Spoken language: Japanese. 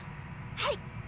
はい！